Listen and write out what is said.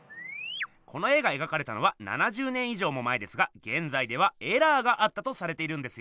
この絵が描かれたのは７０年以上も前ですがげんざいではエラーがあったとされているんですよ。